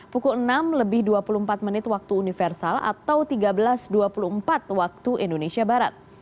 pukul enam dan dua belas